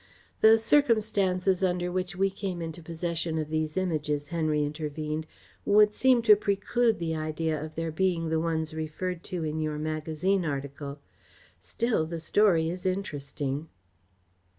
"The circumstances under which we came into possession of these Images," Henry intervened, "would seem to preclude the idea of their being the ones referred to in your magazine article. Still, the story is interesting."